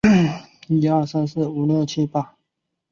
该物种的模式产地在海南岛。